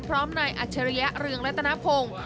พร้อมในอาชะเรียเรืองและตนาพงศ์